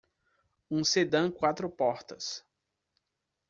Um sedã quatro portas.